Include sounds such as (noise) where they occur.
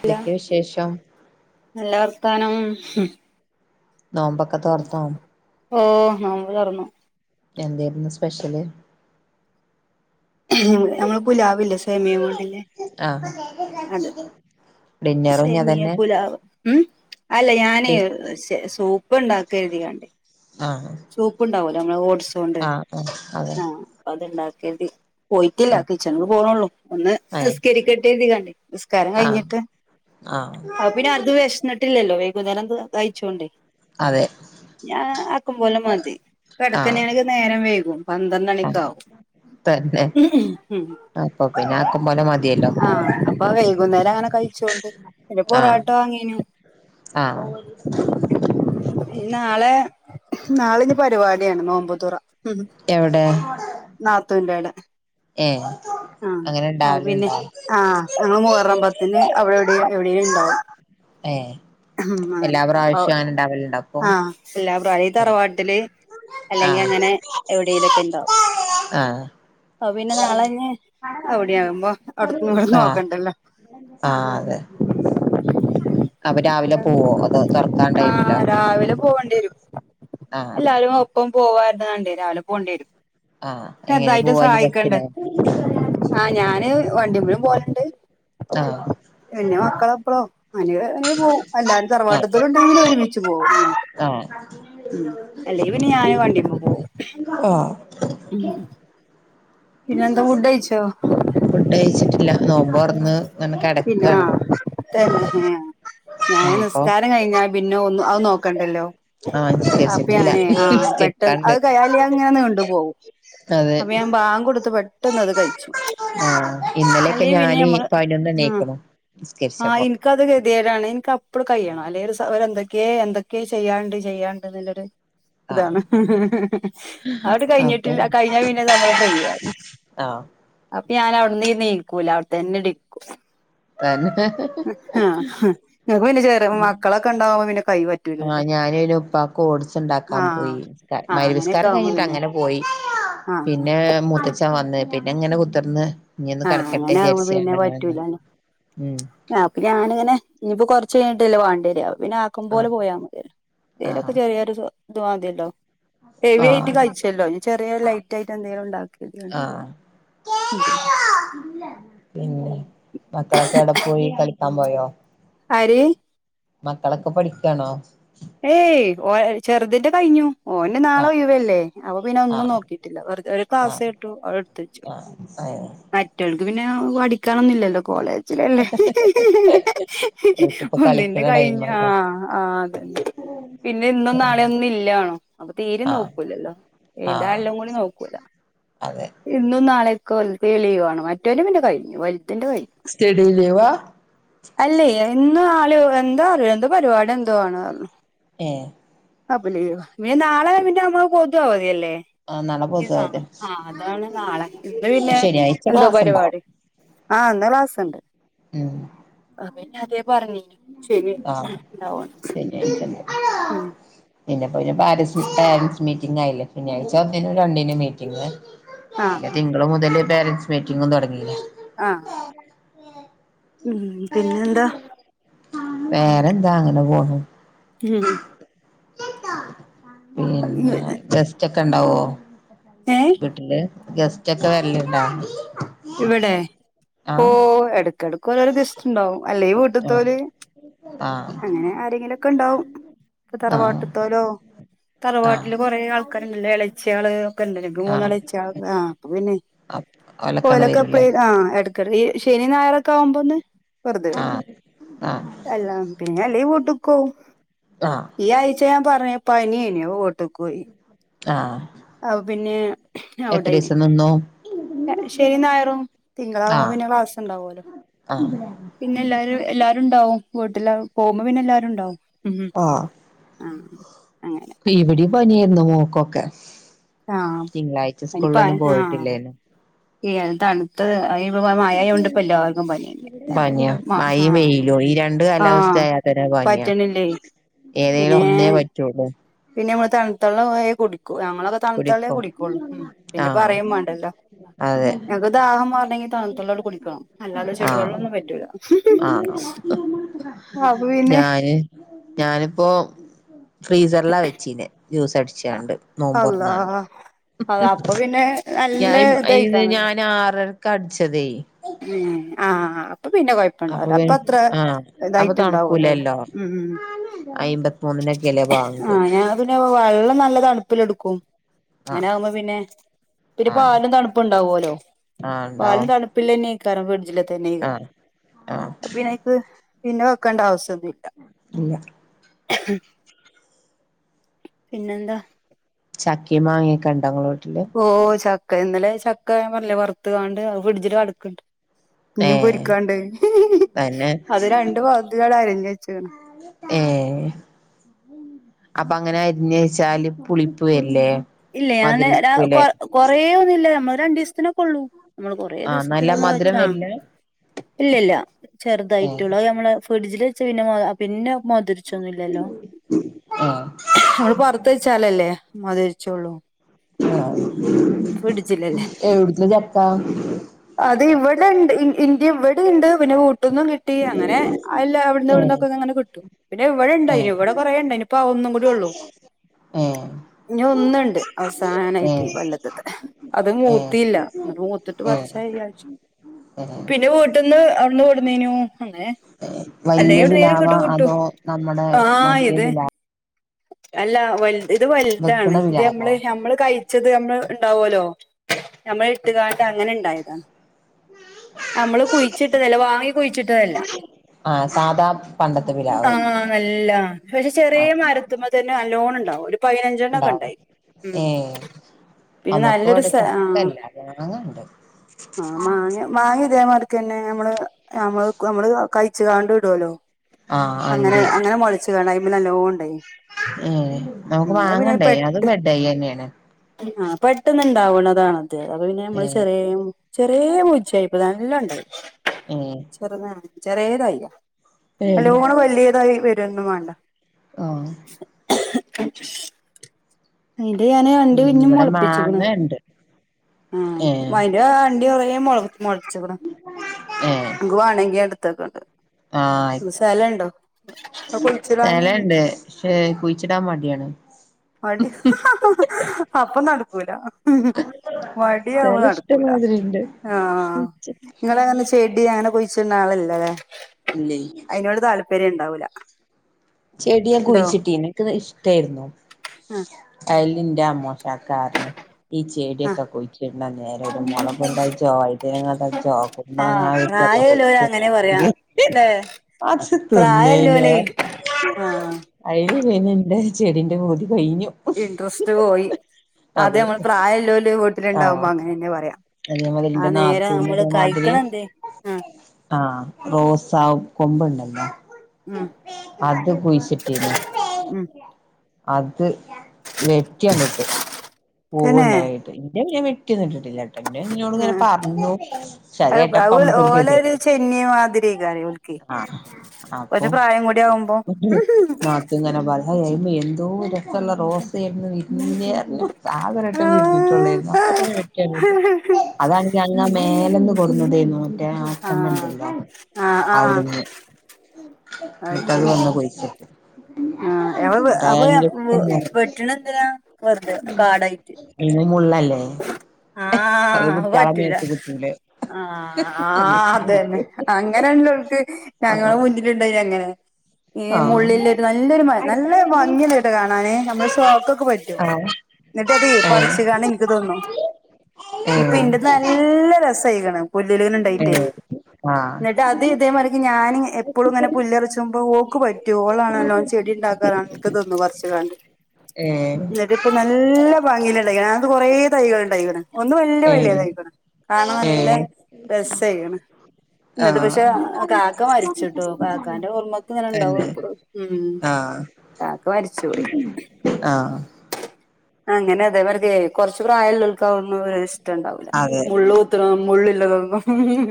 ന്തൊക്കെ വിശേഷം ത്താനം ഹും നോമ്പക്കത്തോർന്നോ ഓ നോമ്പ് തൊറന്നു എന്തേർന്നു സ്പെഷ്യല് നമ്മള് പുലാവില്ലേ സേമിയം കൊണ്ടില്ലേ ആഹ് അത് ഡിന്നറും ഇഞ്ഞ് സേമിയ അതന്നെ പുലാവ് ഉം അല്ല ഞാനേ ഡി ശേ സൂപ്പ് ഇണ്ടാക്കാര്തികാണ്ട് ആ ഓര് നമ്മളെ ഓഡ്സോണ്ട് ആ അതിണ്ടാ തി പോയിട്ടില്ല കിച്ചണിക് പോകണുള്ളൂ ഒന്ന് അതെ നിസ്കരിക്കെട്ട് കണ്ടേ കരം ആഹ് അതെ കഴിഞ്ഞിട്ട് ആഹ് ആഹ് അ പിന്നെ അത് വെശ്ന്നിട്ടില്ലല്ലോ വൈകുന്നേരം കയിച്ചോണ്ടേ അതെ ഞാൻ ആക്കും പോലെ മതി ആഹ് കിടക്കനണക്ക് നേരം വൈകും ആഹ് പന്ത്രണിക്കാവും തന്നെ അപ്പൊ പിന്നെ ആക്കും പോലെ മതിയല്ലോ ആഹ് അപ്പൊ വൈകുന്നേരം അങ്ങനെ കഴിച്ചോണ്ട് പിന്നെ ആഹ് പൊറോട്ട വാങ്ങീനു ആഹ് നാളെ നാളിനി പരിപാടിയാണ് നോമ്പുതുറ എവിടെ നാത്തൂൻ്റെടെ ഏ ആഹ് അ പിന്നെ ആഹ് അങ്ങ മുഹറംപത്തിന് അവിടെ എവിടെ എവിടെലും ഇണ്ടാവും ഏഹ് ആഹ് അങ്ങനെ എല്ലാ അപ്പൊ പ്രാവശ്യവും അങ്ങനെ ഇണ്ടാവലുണ്ടോ അപ്പം ആഹ് എല്ലാ പ്രായ ഇ തറവാട്ടില് അല്ലെങ്കി ആഹ് അങ്ങനെ എവിടെലൊക്കെണ്ടാവും ആഹ് ഓ പിന്നെ നാളെങ്ങ് അവിടെയാകുമ്പോ അവിട ഇവിടെന്ന് ആഹ് നോക്കണ്ടല്ലോ ആഹ് അതെ അപ്പൊ രാവിലെ പോവോ അതോ തുറക്കാൻ ടൈമിലോ ആഹ് രാവിലെ പോകേണ്ടി വരും ആഹ് എല്ലാരും ഇപ്പം പോവാംര്ന്നാണ്ട് രാവിലെ പോണ്ടി വെരും ആഹ് എങ്ങനെ അതായിത് പോവാ ഇനി സഹായിക്കണ്ടേ ബസ്സിലോ ഞാൻ വണ്ടിമേൽ പോകലുണ്ട് ആഹ് പിന്നെ മക്കളപ്പളോ അല്ലേ അങ്ങനെ പോവും അല്ല ആഹ് തറവാട്ട്ത്തോല്ണ്ടെങ്കി പിന്നെ ഒരുമിച്ച് പോവും ഞങ്ങളോക്ക് ആഹ് ഉം അല്ലങ്കിൽ പിന്നെ ഞാന് വണ്ടിമ്മേ പോവും ആ ഉം പിന്നന്താ ഫുഡയിച്ചോ ഫുഡ്ഴിച്ചിട്ടില്ല നോമ്പോറന്ന് പിന്നെ ആ തന്നെ ഏ ഞാന് ഇനിയിപ്പോ നിസ്കാരം കഴിഞ്ഞാ പിന്നെ ഒന്ന് അത് നോക്കണ്ടല്ലോ ആഹ് അപ്പ നിസ്കരിച്ചിട്ടില്ല ഞാനേ ആ പെട്ടെന്ന് നിസ്കരിക്കാണ്ട് അത് അല്ലെങ്കി അത്ങ്ങനെ നീണ്ട് പോവും അതെ അപ്പ ഞാൻ ബാങ്കോടുത്ത് പെട്ടെന്ന് അത് കഴിച്ചു ആഹ് ഇന്നലെയൊക്കെ അല്ല ഞാന് പിന്നെമ്മള് പതിനൊന്ന് മണി ആ ആയിക്കണു ആ നിസ്കരിച്ചപ്പോ ഇനിക്കത് ഗതിയേടാണ് ഇന്ക്ക് അപ്പള് കയ്യണം ആഹ് അല്ലെങ്കി ഒര് സ ഒര് എന്തോ ക്കെ എന്തൊക്കെ ചെയ്യാണ്ട് ചെയ്യാണ്ട്ന്ന്ള്ളൊര് ആഹ് ഇതാണ് അതാട് കഴിഞ്ഞ്ട്ട് അപ്പൊ കഴിഞ്ഞാ പിന്നെമ്മള് ഫ്രീയായി ആ ഞാൻ അവിട്ന്ന് നിക്കൂല അവിടത്തന്നെട് ഇരിക്കും തന്നെ ആ പിന്നെ ചെറി മക്കളൊക്കെണ്ടാവുമ്പോ പിന്നെ കൈ ആ പറ്റൂലല്ലോ ഞാനയ്ന് ഉപ്പാക്ക് ഓട്സ്ണ്ടാക്കാൻ ആഹ് പോയി നി ആഹ് മഹരിബ് അങ്ങനെയൊക്കെ നിസ്കാരം ആവുമ്പോ കഴിഞ്ഞിട്ട് പിന്നെ അങ്ങനെ പോയി ആഹ് പിന്നെ മൂത്തച്ഛ വന്ന് പിന്നെങ്ങനെ കുത്തർന്ന് ആഹ് അങ്ങനെ ആവുമ്പോ പിന്നെ പറ്റൂലല്ലോ ഉം അപ്പ ഞാനിങ്ങനെ ഇനിപ്പോ കൊറ ച്ചയ്ഞ്ഞ്ട്ടല്ലേ വാണ്ടിരാ അപ്പൊ പിന്നെ ആക്കംപോലെ ആഹ് പോയാ മതിലോ എത്തെങ്കിലൊക്കെ ആഹ് ചെറിയൊരിത് മതില്ലോ ഹെവി ആയിട്ട് ആഹ് കഴിച്ചല്ലോ ചെറിയ ലൈറ്റ് ആയിട്ട് എന്തേലും ഇണ്ടാക്കാകര്തിക്കാണ്ട് ആഹ് ഉം പിന്നെ മക്കളൊക്കെ എടെ പോയി കളിക്കാൻ പോയോ ആര് മക്കളൊക്കെ പഠിക്കാണോ ഏയ് ഓ ചെറ്തിന്റെ കഴിഞ്ഞു ഓന് നാളെ ആഹ് ഒയിവല്ലേ അപ്പൊ പിന്നെ ഒന്നും ആഹ് നോക്കിട്ടില്ല വെറ് ഒരു ആഹ് ക്ലാസേട്ടു അടെട്ത്തേച്ചു ആഹ് ഏഹ് മറ്റൾക്ക് പിന്നെ പഠിക്കാനൊന്നില്ലല്ലോ കോളേജ് ല്ലേ ഓൽക്കിപ്പോ ഒന്നിന്റെ കളിക്കണ കഴിഞ്ഞ ആ ടൈമല്ലേ ആ അതെ പിന്നെ ഇന്നും നാളെയും ഒന്നും ഇല്ലാണോ തീരെ ആഹ് നോക്കൂലല്ലോ ആഹ് എഴുതാല്ലും കൂടി നോക്കൂല അതെ ഇ നാളെക്കെ തെളിയുകയാണ് മറ്റേരും പിന്നെ കഴിക്കും സ്റ്റഡി ലീവാ അല്ല ഇന്ന് ആള് എന്താ അറില്ല എന്തോ പരിപാടി എന്തോ ആാണ് ഏ അപ്പ മ നാളെ പിന്നെ നമ്മക്ക് പൊതു അവ തിയല്ലേ ആഹ് നാളെ പൊതുവാ ആഹ് ആഹ് അതാണ് നാളെ ഇന്ന് പിന്നെ ശനിയാഴ്ച എന്തോ ക്ലാസ് ഇണ്ടാവും പരിപാടി ആഹ് (unintelligible) ഉം അവനി അതേ പറഞ്ഞു ശരി ആഹ് ഉണ്ടാവന്ന് ഉം പിന്നെപ്പോന്നെ പാരൻസ് പാരൻറ്സ് മീറ്റിംഗ് ആയില്ലെ ശനിയാഴ്ച്ച ഒന്നിനും രണ്ടിനും മീറ്റിംഗ് ആ പിന്നെ തിങ്കളു മുതല് പേരന്റ്സ് മീറ്റിങ്ങും തുടങ്ങി ആഹ് ഉം പിന്നെന്താ വേറെന്താ അങ്ങനെ പോണു പിന്നെ ഗസ്റ്റ് ഒക്കെ ഉണ്ടാവോ ഏ വീട്ടില് ഗസ്റ്റ് ഒക്കെ വരല്ണ്ടാ ഇവിടെ ഓ എടക്കടക് (unintelligible) ഉണ്ടാവും അല്ലെ ആഹ് വീട്ട്ത്തോല് അങ്ങനെ ആരെങ്കിലുക്കെ ഉണ്ടാവും ആഹ് തറവാട്ട്ത്തോലോ ആഹ് തറവാട്ടില് കുറെ ആൾക്കാരല്ലല്ലോ ഇളച്ചയാള് ഒക്കെ ഇണ്ട് എക്ക് മൂന്ന് ഇളച്ച ആൾ അപ്പൊ പിന്നെ ആ (unintelligible) കോലൊക്കെ പോയി ആ എടക്ക ഈ ശനി ഞായറൊക്കെ ആവുമ്പോ ഒന്ന് വെറുത വരും ആഹ് ആഹ് എല്ലാം പിന്നെ അല്ല വീട്ടിക്ക് ടപോകും ആഹ് ഈ ആഴ്ച ഞാൻ പറഞ്ഞ പനിയേനു വീട്ടക്ക് പോയി ആഹ് പിന്നെ എത്ര ദിവസം നിന്നു ഷെനിം ഞായറും തിങ്കളാവുമ്പോ ആഹ് പിന്നെ ക്ലാസ്സ് ഉണ്ടാവുല്ലോ ആഹ് പിന്നെ എല്ലാരും എല്ലാരും ഉണ്ടാവും വീട്ടില് പോകുമ്പോ പിന്നെ എല്ലാരും ഇണ്ടാവും ഇവിടെ പനി ആയിനൂ മോൾക്കൊക്കെ ആഹ് തിങ്കളാഴ്ച അയിന് പ സ്കൂളിലൊന്നും ആഹ് പോയിട്ടില്ലേന്നു ഈ അ തണുത്ത മഴ ആയോണ്ടപ്പോ എല്ലാർക്കും പനി പനിയ ആ മഴയും വെയിലും ഈ രണ്ട് കാലാവസ്ഥ ആയാ തന്നെ പണിയാ പറ്റണില്ലേ ഏതേലും പിന്നെ ഒന്നേ പറ്റൂള്ളൂ പിന്നെ നമ്മൾ തണുത്തുള്ളയ കുടിക്കും ഞങ്ങ തണുത്തുള്ളേ കുടിക്കും കുടിക്കോള്ളൂ പിന്നെ ആഹ് പറയും വേണ്ടല്ലോ അതെ ഞങ്ങക്ക് ദാഹം മാറണെങ്കിൽ തണുത്തുള്ള കുടിക്കണം അല്ലാതെ ആഹ് ചെടുവെള്ളന്നും പറ്റൂല്ല ആഹ് അപ്പൊ പിന്നെ ഞാന് ഞാനിപ്പോ ഫ്രീസറിലാ വെച്ചീനെ ജ്യൂസ് അടിച്ചാണ്ട് നോമ്പുറ അള്ളാ അത അപ്പൊ പിന്നെ നല്ല ഞാൻ ഇത് ഇതായിക്കാണല്ലോ ഞാൻ ആറര കടിച്ചതേ ഉം ആഹ് അപ്പൊ പിന്നെ കുഴപ്പം ഇണ്ടാവില്ല അപ്പൊ അത്ര ആഹ് അപ്പൊ ഇതായിട്ട്ണ്ടാവുമല്ലോ തണുക്കൂലല്ലോ ഉം അയ്മ്പത്തിമൂന്നിനൊക്കെയല്ലേ ആ ബാങ്ക് ഞാൻ അതിന് വെള്ളം നല്ല തണുപ്പിൽ എടുക്കും അങ്ങനെ ആഹ് ആകുമ്പോ പിന്നെ ഇത്തിരി ആഹ് പാലും തണുപ്പും ഉണ്ടാവല്ലോ ആഹ് ഉണ്ടാവും പാലും തണുപ്പ് പിള്ള തന്നെക്കാരം ഫ്രിഡ്ജിൽ തന്നെയ്ക്കാരം ആഹ് ആഹ് അപ്പൊ ആയിനിക്ക് പിന്നെ വെക്കേണ്ട ആവേശം ഇല്ല പിന്നെന്താ ചക്ക മാങ്ങിയൊക്കെ ഇണ്ടോങ്ങളോട് ഓ ചക്ക ഇന്നലെ ചക്ക ഞാൻ പർഞ്ഞിലേ വർത്ത്ങ്ങാണ്ട് അത് ഫ്രിഡ്ജില് അട്ക്ക്ട്ട് ഇഞ്ഞും ഏഹ് പൊരിക്കാണ്ട് തന്നെ അത് രണ്ട് പാത്രത്തിലാണ്ട് അരിഞ്ഞ് വെച്ച്ണ് ഏ അപ്പൊ അങ്ങനെ അര്ഞ്ഞച്ചാല് പുളിപ് വര്ല്ലേ. ഇല്ല. ഞാന് ര കൊ കൊറേ ഒന്നില്ല. നമ്മൾ രണ്ടീസത്തിനൊക്കെള്ളൂ നമ്മള് കൊറേ ആഹ് നല്ല ദിവസത്തിനൊന്ന് മധുരം വെച്ചാ വരില്ല ഇല്ലില്ല ഏഹ് ചെർതായിട്ടൊള്ളൂ അത് നമ്മള് ഫ്രിഡ്ജില് വെച്ച് കൈഞ്ഞ പിന്നേ മധ് രി ച്ചൊന്നില്ലല്ലോ. ഏഹ് നമ്മള് പൊർത്ത് വച്ചാലല്ലേ മധ് രിച്ചോള്ളൂ. ആഹ്. എവ്ട്തെ ചക്ക അത് ഇവടെണ്ട്. ഇന്റെ ഇവിടെണ്ട് പിന്നെ വീട്ട്ന്നും കിട്ടി. അങ്ങനെ അല്ല അവിട്ന്നും ഏഹ് ഇവട്ന്നൊക്കെ ങ്ങനെ കിട്ടും പിന്നെ ഇവടെണ്ടായിനു ഏഹ് ഇവടെ കൊറേണ്ടായിനു. പ്പ ഒന്നും കൂടിഒള്ളു ഏഹ് ഒന്നണ്ട് അവസാനായിറ്റ് ഈ ഏഹ് കൊല്ലത് ത്തെ. അത് ഏഹ് മൂത്തീല്ല മൂത്ത്ട്ട് ഏഹ് പർച്ചായ്യ ഏഹ് പിന്നെ വീട്ട്ന്ന് അവിടുന്ന് കൊട്ന്നീനു അങ്ങനെ. അല്ലങ്ങി വല്യ പിലാവാ എവ്ട്ന്നേലുംക്കായിട്ട് ക് ട്ടും. അതോ നമ്മടെ ആഹ് മറ്റേ ഇത് പിലാ അല്ല വൽത് ഇത് താണ്. വെക്ക്ണ ഇത് പിലാവോ നമ്മള് നമ്മള് കഴിച്ചത് നമ്മള് ണ്ടാവോല്ലോ ഞമ്മള് ഇട്ട് ങ്ങാണ്ട് അങ്ങനെ ണ്ടായതാ നമ്മള് കുയിച്ചിട്ടതല്ല. വാങ്ങി കുയിച്ചിട്ടതല്ല ആഹ് സാധാ പണ്ടത്തെ പിലാവ് ആഹ്. നല്ല പക്ഷെ ചെറേ ആഹ് മരത് മ്മെ തന്നെ നല്ലോണണ്ടാവും ഒരു പയി നെഞ്ചെണ്ണ ഒക്കെണ്ടായി ഉം പിന്നെ നമ്മക്ക് നല്ലൊരു ഇവിടെ സ ആഹ് ചക്കല്ല. മാങ്ങണ്ട് ആഹ് മാങ്ങ. മാങ്ങതേമാര്ക്കെന്നെ നമ്മള് നമ്മ നമ്മള് കൈച്ച്കാണ്ട് ഇടോല്ലോ. ആഹ് അങ്ങനെ അങ്ങനെ മൊൾച്ച് കാണ്ടായ് മ്മെ നലോ ണ്ടായിന് ഏ നമുക്ക് വാങ്ങണ്ടേ. പെട്ട് അതും ബെഡയ്യന്നേണ് പെട്ടെന്ന്ണ്ടാവ്ണതാണത് അത് പിന്നെ നമ്മള് ഏഹ് ചെറേ ചെറേ മൊജ്ജയ്പ നല്ലം ണ്ടായി ചെറുതാണ് ചെറേതയ്യാ. ഏഹ് നല്ലോണം വല്യതായിവരന്നും വാണ്ട ആഹ് (unintelligible) ഇത് പിന്നെ ഞാന്അണ്ടിഞ്ഞും ഇവിടെ മോൾപ്പിച്ക്ക്ണ് മാങ്ങണ്ട് ആ. ഏഹ് മയ്ന്റെ അണ്ടി കൊറേ മൊൾ മൊ മൊൾച്ച്ക്ക്ണ്. ഏഹ് അൻക്ക് വാണെങ്കി ഞാ ട്ത്തക്കണ്ട് ആഹ്. അയ്ക്കോട്ടെ. കുഴിച്ചിടാന് സ്ഥലണ്ട്. ക്ഷെ കുയ്ച്ചിടാ മടിആണ്. മടി. അപ്പൊ നടക്കൂല മടിയാവുമ്പോ സ്ഥലം നടക്കൂല. ഇഷ്ടമാതിരിണ്ട് ആഹ് നിങ്ങളെ നല്ല ചെ ടി അങ്ങനെ കുയ്ച്ച്ട്ണ ആളല്ലലെ. ഇല്ലേ അയ്നോട് താല്പര്യം ഉണ്ടാവൂല ചെടി ഞാ കുയിച്ചിട്ടീന്നു. ഇക്ക് ഇഷ്ട്ടേയ്ന്നു. ആഹ് അയ്ല് ന്റെ അമോഷ കാരണം ഈ ആഹ് ചെടിഒക്കെ കുയ്ച്ചിട്ണ നേരം ഒരു മോളകും തജ്‌ജോ വൈ ദെങ്ങാ തജ്‌ജോ കുംബൾങ്ങാ ആഹ് വിത്തൊക്കെ പ്രായല്ലോല് അങ്ങനെ പറയാ കുയ്ച്ചിടാണെങ്കി അല്ലെ അത് തിന്നേയ്ന്നു. പ്രായല്ലോലെ ആഹ് അയില് പിന്നെ ന്റെ ചെടിന്റെ പൂതി കഴിഞ്ഞു ഇൻട്രസ്റ്റ് പോയി. അത് നമ്മള് പ്രായല്ലോല് വീട്ടില്ണ്ടാവുമ്പോ അങ്ങനെന്നെ പറയ. അതേ പോലെ ന്റെ നാത്തൂന് ഇതേമാതിരി കഴിക്കണന്തേ ആഹ് ആ. റോസ കൊബ്ണ്ട ഉം അത് കുയ്ച്ചിട്ടീന്നു ഉം അത് വെറ്റിയണ്ട്ട്ടു. തന്നെ പൂവ്ണ്ടായിട്ട്. ഇന്ടെ ത് ഞാ വെ ട്ടി ഒന്നു ട്ട്ട്ട് ല്യ ട് (unintelligible) ഇന്നോട് ങ്ങനെ ആഹ് പർഞ്ഞു. ക്ഷെ അത് കേട്ടപ്പം അമുക്കൊരു ഓലൊരു ഗതികേടായി ചെന്നി മാതിരിക്കാരം ഓൽക്ക് ആ. അപ്പൊ കുറച്ച് പ്രായം കൂടി ആവുമ്പോ ന്ന്ട്ട് നാത്തൂൻ ങ്ങനെ പർ (unintelligible) എന്തോ ഇതൊക്കെള്ള റോസേര്ന്നു വിരിഞ്ഞേ ആകെഒരട്ടം ആഹ് വിരിഞ്ഞിട്ടുള്ളതായിരുന്നു അപ്പ തന്നെ വെട്ടി അതാണങ്കി അങ്ങ് മേലെന്ന് കൊടുന്നതേര്ന്നു മറ്റേ ആ ആഹ് അഛമ്മണ്ടല്ലോ ആഹ് ആഹ് അവിടുന്ന് ന്നിട്ടത് പോയികിട്ടി ആ അപ്പൊ വെട്ടണ എന്തിനാ വെറുതെ കാടായിട്ട് അ ചറമേത്തടെ നിക്കുലേ ആ ആ അതന്നെ അങ്ങനെയണല്ലോക്ക് ഞങ്ങള ആഹ് മുന്നിലുണ്ടയി അങ്ങനെ ഈ മുള്ളില ആഹ് ഒരു നല്ലൊരു നല്ല ഭംഗിയ കേട്ടാ കാണാന് നമ്മുടെ ഷോക്കൊക്കെ പറ്റും എന്നിട്ട് അതെ ആഹ് പറിച്ചു കാണി തോന്നു ഇപ്പൊ ഇന്റത് നല്ല രസായ്ക്ക്ണ് പുല്ലല ഏഹ് ഇണ്ടായിട്ടേ ഏഹ് ഏഹ് ആഹ് എന്നിട്ട് അത് ഇതേമാതിക്ക് ഞാൻ എപ്പളും ഇങ്ങനെ പുല്ലറച്ചുമ്പോ ഓ ക്ക് പറ്റു ഓളാണല്ലോ ചെടി ണ്ടാക്ക തനക്കുതൊന്നു പറിച്ചുകാണ്ടി എന്നിട്ട് ഇപ്പ നല്ല വാങ്ങീനണ്ട ഞാ അത് കുറേ തൈകളുണ്ടായിക്ക്ണ്‌ ഒന്ന് വല്യ ഏഹ് ഏഹ് വലിയതായിക്കണ് കാണാൻ നല്ല ഏഹ് രസായിക്കണ് എന്നിട്ട് ആഹ് പക്ഷെ കാക്ക മരിച്ചുട്ടോ കാക്കാന്റെ ഓർമ്മക്ക് ഇങ്ങനെ ഉണ്ടാവും തന്നെ എപ്പളും ഉം ആഹ് കാക്ക മരിച്ചുപോയി ആ അങ്ങനെ അതെ മറതിയെ കൊറച്ച് പ്രായുള്ളോല്ക്ക്അതൊന്നും ഇഷ്ട്ടണ്ടാവൂല്ല അതെ മുള്ളുത്തണതും മുള്ള് ഉള്ളതും